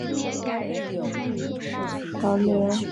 壶穴是在河流上游经常出现的一种地理特征。